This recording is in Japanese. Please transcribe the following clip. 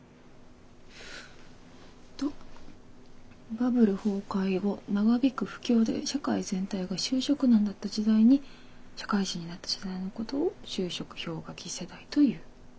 「バブル崩壊後長引く不況で社会全体が就職難だった時代に社会人になった世代のことを就職氷河期世代という」。